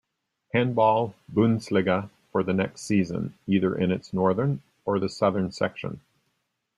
Handball-Bundesliga for the next season, either in its northern or the southern section.